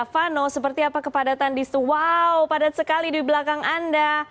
vano seperti apa kepadatan di situ wow padat sekali di belakang anda